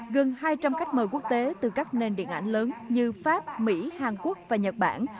gần hai trăm linh khách mời quốc tế từ các nền điện ảnh lớn như pháp mỹ hàn quốc và nhật bản